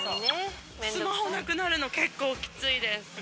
スマホなくなるの、結構きついです。